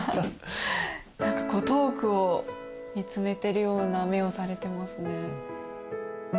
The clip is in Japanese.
何かこう遠くを見つめてるような目をされてますね。